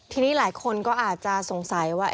ทีนี้หลายคนก็อาจจะสงสัยว่า